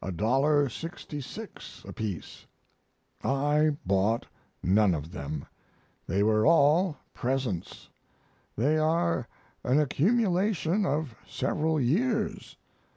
66 apiece; I bought none of them, they were all presents; they are an accumulation of several years.